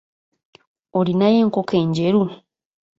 Olinayo enkoko enjeru?